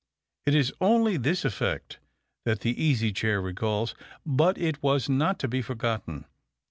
It is only this effect that the Easy Chair recalls, but it was not to be forgotten.